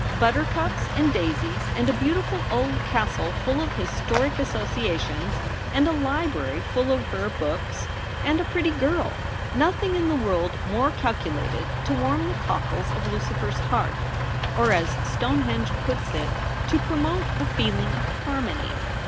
Buttercups and daisies, and a beautiful old castle full of historic associations, and a library full of rare books — and a pretty girl — nothing in the world more calculated to warm the cockles of Lucifer's heart — or, as MARTS RECEPTION. 271 Stonehenge puts it, to promote a feeling of harmony.